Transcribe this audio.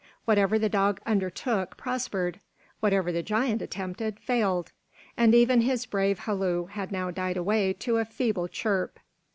Whatever the dog undertook, prospered; whatever the giant attempted, failed. And even his brave halloo had now died away to a feeble chirp.